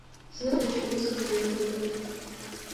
Зны даҽа уск мҩаԥгатәуп.